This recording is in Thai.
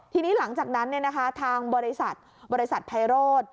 ทีนี้หลังจากนั้นทางบริษัทบริษัทไพโรธ